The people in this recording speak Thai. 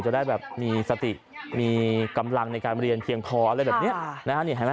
จะได้แบบมีสติมีกำลังในการเรียนเพียงพออะไรแบบเนี่ย